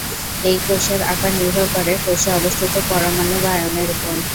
এই কোষের আকার নির্ভর করে, কোষে অবস্থিত পরমাণু বা আয়নের উপর।